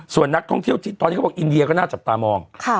ส่วนนักท่องเที่ยวที่ตอนนี้เขาบอกอินเดียก็น่าจับตามอง